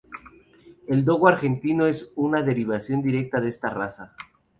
El dogo argentino es una derivación directa de esta raza.